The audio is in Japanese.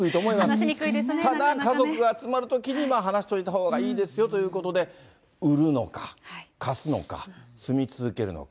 けど、家族が集まるときに話しといたほうがいいですよということで、売るのか貸すのか、住み続けるのか。